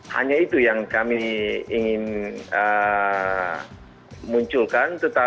hanya itu yang kami ingin munculkan